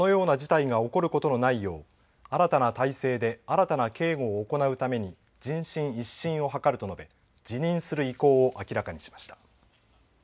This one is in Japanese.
二度とこのような事態が起こることのないよう新たな体制で新たな警護を行うために人心一新を図ると述べ辞任する意向を明らかにしました。